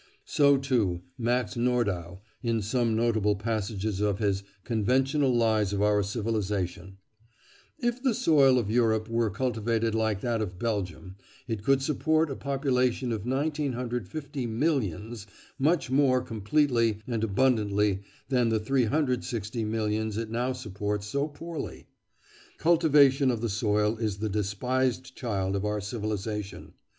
So, too, Max Nordau, in some notable passages of his Conventional Lies of our Civilisation: "If the soil of Europe were cultivated like that of Belgium, it could support a population of 1,950 millions much more completely and abundantly than the 360 millions it now supports so poorly.... Cultivation of the soil is the despised child of our civilisation.